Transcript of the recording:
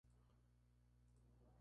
Duró la huida siete jornadas.